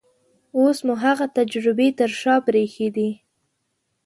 اوس مو هغه تجربې تر شا پرېښې دي.